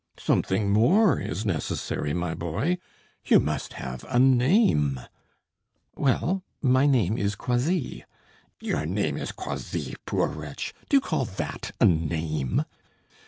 "Something more is necessary, my boy; you must have a name." "Well! my name is Croisilles." "Your name is Croisilles, poor wretch! Do you call that a name?"